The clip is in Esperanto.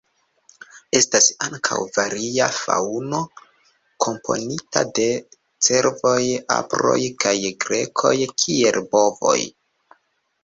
Estas ankaŭ varia faŭno komponita de cervoj, aproj, kaj gregoj kiel bovoj.